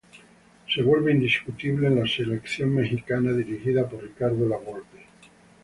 Se vuelve indiscutible en la Selección Mexicana dirigida por Ricardo La Volpe.